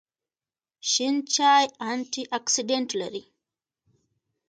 شین چای انټي اکسیډنټ لري